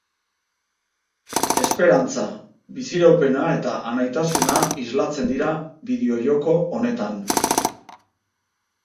Esperantza, biziraupena eta anaitasuna islatzen dira bideo-joko honetan.